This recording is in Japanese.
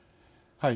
はい。